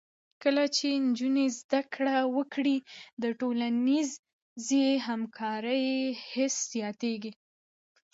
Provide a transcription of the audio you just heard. کله چې نجونې زده کړه وکړي، د ټولنیزې همکارۍ حس زیاتېږي.